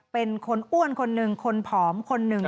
เป็นคนอ้วนคนหนึ่งคนผอมคนหนึ่ง